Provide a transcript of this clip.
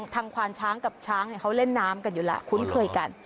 ควานช้างกับช้างเขาเล่นน้ำกันอยู่แล้วคุ้นเคยกัน